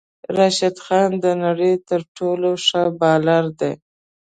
راشد خان د نړی تر ټولو ښه بالر دی